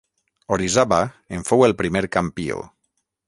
Orizaba en fou el primer campió.